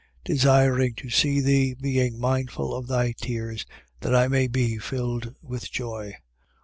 1:4. Desiring to see thee, being mindful of thy tears, that I may be filled with joy: 1:5.